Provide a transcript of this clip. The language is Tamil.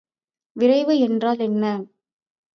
விரைவு என்றால் என்ன?